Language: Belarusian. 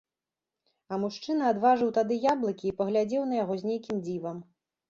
А мужчына адважыў тады яблыкі і паглядзеў на яго з нейкім дзівам.